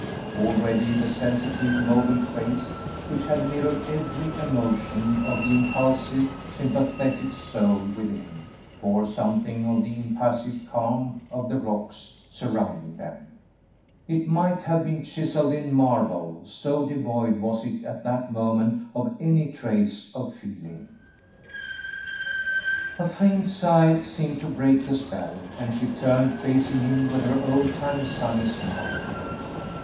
Already the sensitive, mobile face, which had mirrored every emotion of the impulsive, sympathetic soul within, bore something of the impassive calm of the rocks surrounding them; it might have been chiselled in marble, so devoid was it at that moment of any trace of feeling. A faint sigh seemed to break the spell, and she turned facing him with her old time sunny smile.